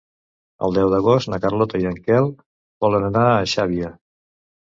El deu d'agost na Carlota i en Quel volen anar a Xàbia.